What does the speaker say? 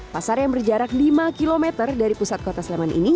pasar yang berjarak lima km dari pusat kota sleman ini